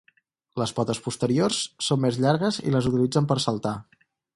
Les potes posteriors són més llargues i les utilitzen per saltar.